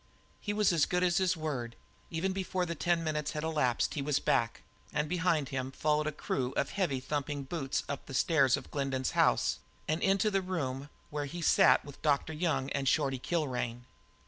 He was as good as his word. Even before the ten minutes had elapsed he was back, and behind followed a crew of heavy thumping boots up the stairs of Glendin's house and into the room where he sat with Dr. Young and Shorty Kilrain.